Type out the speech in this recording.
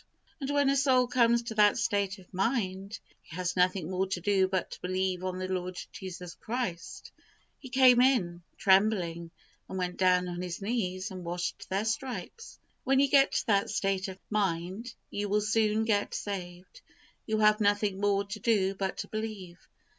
And when a soul comes to that state of mind, he has nothing more to do but to believe on the Lord Jesus Christ. And he came in, trembling, and went down on his knees, and washed their stripes. When you get to that state of mind, you will soon get saved. You will have nothing more to do but to believe.